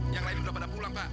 yang lain sudah pada pulang pak